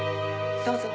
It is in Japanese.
どうぞ。